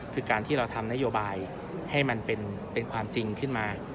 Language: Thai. คือการที่เราทำนโยบายให้มันเป็นความจริงขึ้นมา